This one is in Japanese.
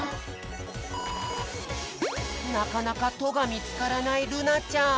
なかなか「と」がみつからないるなちゃん。